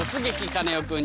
カネオくん」。